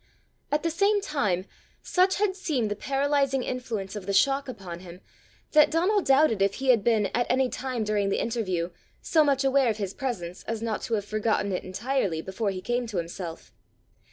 At the same time, such had seemed the paralysing influence of the shock upon him, that Donal doubted if he had been, at any time during the interview, so much aware of his presence as not to have forgotten it entirely before he came to himself.